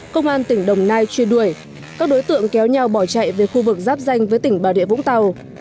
công an tỉnh đồng nai truy đuổi các đối tượng kéo nhau bỏ chạy về khu vực giáp danh với tỉnh bà địa vũng tàu